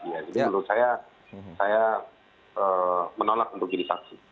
jadi menurut saya saya menolak untuk jadi saksi